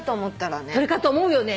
鳥かと思うよね。